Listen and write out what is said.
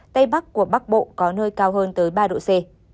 tây bắc của bắc bộ có nơi cao hơn tới ba độ c